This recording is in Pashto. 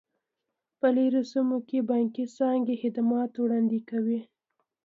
په لیرې سیمو کې بانکي څانګې خدمات وړاندې کوي.